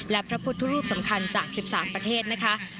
และพระพุทธรูปสำคัญจาก๑๓ประเทศนะคะ